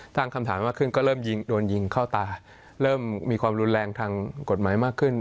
ตั้งคำถามมากขึ้นก็เริ่มโดนยิงเข้าตาเริ่มมีความรุนแรงทางกฎหมายมากขึ้น